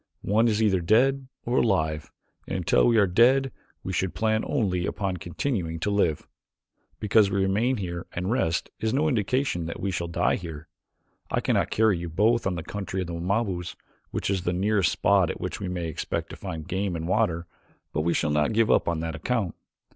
One is either dead or alive, and until we are dead we should plan only upon continuing to live. Because we remain here and rest is no indication that we shall die here. I cannot carry you both to the country of the Wamabos, which is the nearest spot at which we may expect to find game and water, but we shall not give up on that account.